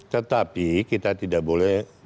tetapi kita tidak boleh